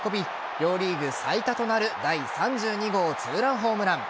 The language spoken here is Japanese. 両リーグ最多となる第３２号２ランホームラン。